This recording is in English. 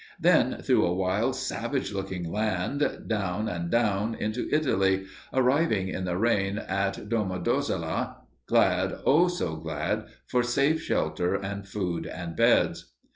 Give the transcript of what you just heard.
Then through a wild, savage looking land down and down, into Italy, arriving in the rain at Domodossola, glad, oh so glad, for safe shelter and food and beds!